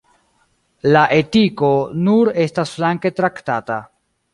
La etiko nur estas flanke traktata.